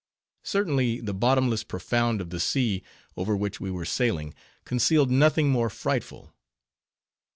Certainly, the bottomless profound of the sea, over which we were sailing, concealed nothing more frightful.